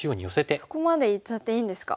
あっそこまでいっちゃっていいんですか。